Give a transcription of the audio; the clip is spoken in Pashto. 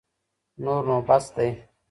نور نو بس دی.